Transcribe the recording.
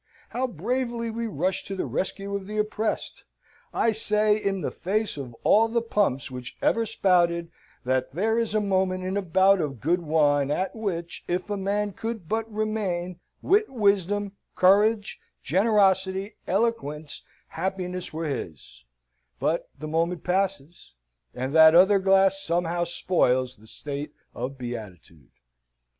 How bravely we rush to the rescue of the oppressed! I say, in the face of all the pumps which ever spouted, that there is a moment in a bout of good wine at which, if a man could but remain, wit, wisdom, courage, generosity, eloquence, happiness were his; but the moment passes, and that other glass somehow spoils the state of beatitude.